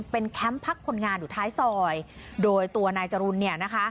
เป็นแคมป์พักคนงานอยู่ท้ายซอยโดยตัวนายจรุลเนี่ยนะคะ